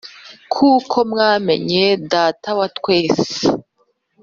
Kuko mwamenye data wa twese